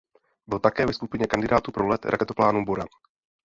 Byl také ve skupině kandidátů pro let raketoplánem Buran.